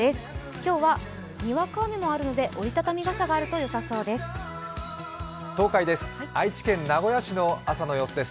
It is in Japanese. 今日はにわか雨もあるので、折り畳み傘があるとよさそうです。